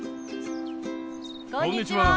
こんにちは。